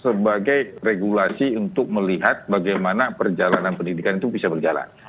sebagai regulasi untuk melihat bagaimana perjalanan pendidikan itu bisa berjalan